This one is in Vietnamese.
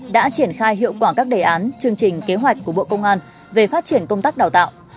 đã triển khai hiệu quả các đề án chương trình kế hoạch của bộ công an về phát triển công tác đào tạo